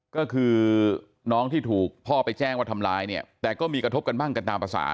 ก็คือน้องที่ถูกพ่อไปแจ้งว่าทำร้ายเนี่ยแต่ก็มีกระทบกันบ้างกันตามภาษา